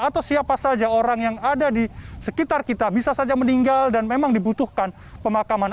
atau siapa saja orang yang ada di sekitar kita bisa saja meninggal dan memang dibutuhkan pemakaman